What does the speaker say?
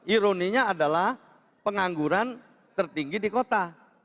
ironinya adalah pengangguran tertinggi di kota